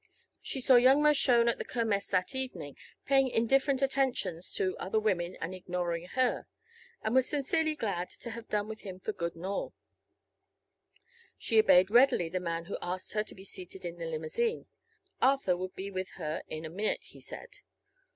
She saw young Mershone at the Kermess that evening paying indifferent attentions to other women and ignoring her, and was sincerely glad to have done with him for good and all. She obeyed readily the man who asked her to be seated in the limousine. Arthur would be with her in a minute, he said.